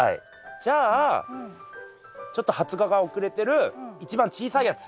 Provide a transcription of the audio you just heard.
じゃあちょっと発芽が遅れてる一番小さいやつ。